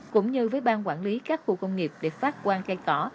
cũng như với bang quản lý các khu công nghiệp để phát quan cây cỏ